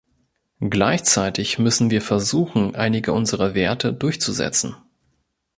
Gleichzeitig müssen wir versuchen, einige unserer Werte durchzusetzen.